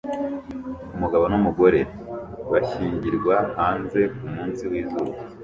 Umugabo numugore bashyingirwa hanze kumunsi wizuba